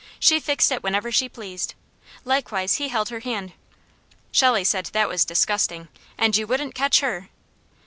She fixed it whenever she pleased; likewise he held her hand. Shelley said that was disgusting, and you wouldn't catch her.